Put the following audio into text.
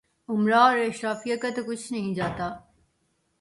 امرا اور اشرافیہ کا تو کچھ نہیں جاتا۔